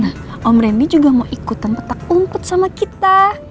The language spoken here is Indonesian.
nah om rendy juga mau ikutan petak ungkut sama kita